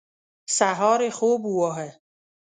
سهار یې خوب وواهه.